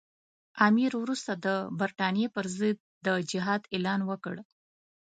امیر وروسته د برټانیې پر ضد د جهاد اعلان وکړ.